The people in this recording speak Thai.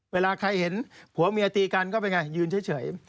เวลาใครเห็นผัวเมียตีกันก็เป็นไงยืนเฉย